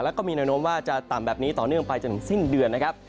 แล้วก็มีแนวโน้มว่าจะต่ำแบบนี้ต่อเนื่องไปจนถึงสิ้นเดือนนะครับ